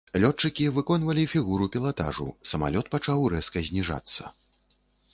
Лётчыкі выконвалі фігуру пілатажу, самалёт пачаў рэзка зніжацца.